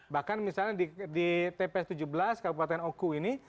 bahkan misalnya di tps tujuh belas kabupaten oku ini